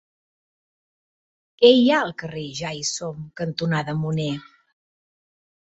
Què hi ha al carrer Ja-hi-som cantonada Munner?